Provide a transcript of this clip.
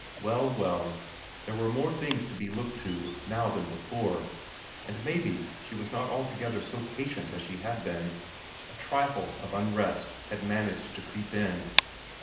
Well, well, there were more things to be looked to now than before, and maybe she was not altogether so patient as she had been; a trifle of unrest had managed to creep in.